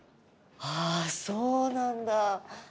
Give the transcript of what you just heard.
あそうなんだ。